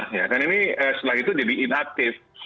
karena ini setelah itu jadi inaktif